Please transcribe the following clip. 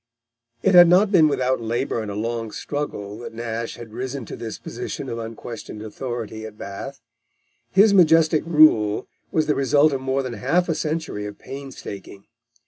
It had not been without labour and a long struggle that Nash had risen to this position of unquestioned authority at Bath. His majestic rule was the result of more than half a century of painstaking.